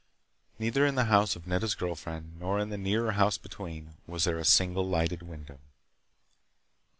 Neither in the house of Nedda's girl friend, nor in the nearer house between, was there a single lighted window.